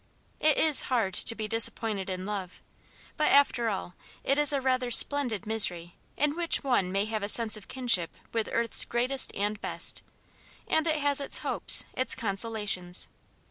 It is hard to be disappointed in love, but after all it is a rather splendid misery in which one may have a sense of kinship with earth's greatest and best; and it has its hopes, its consolations.